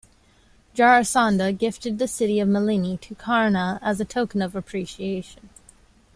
Jarasandha gifted the city of "Malini" to Karna as a token of appreciation.